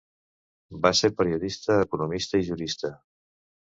Va ser periodista, economista i jurista.